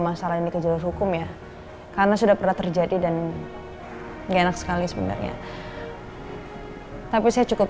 masalah ini ke jalur hukum ya karena sudah pernah terjadi dan enak sekali sebenarnya tapi saya cukup